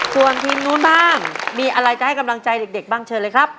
ส่วนทีมนู้นบ้างมีอะไรจะให้กำลังใจเด็กบ้างเชิญเลยครับ